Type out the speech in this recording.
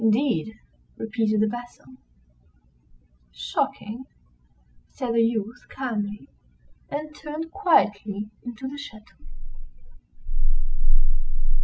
"Indeed;" repeated the vassal. "Shocking!" said the youth, calmly, and turned quietly into the château.